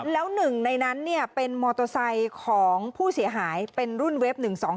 แล้วหนึ่งในนั้นเป็นมอเตอร์ไซค์ของผู้เสียหายเป็นรุ่นเว็บ๑๒